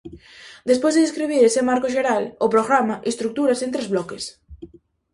Despois de describir ese marco xeral, o programa estruturase en tres bloques.